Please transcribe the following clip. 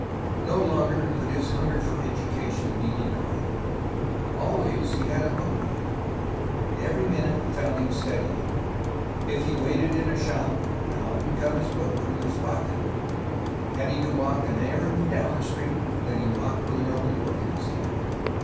No longer could his hunger for education be denied. Always he had a book with him, every minute found him studying. If he waited in a shop, out would come his book from his pocket ; had he to walk on an errand down the street, then he walked with an open book in his hand.